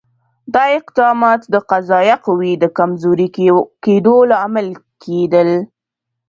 دا اقدامات د قضایه قوې د کمزوري کېدو لامل کېدل.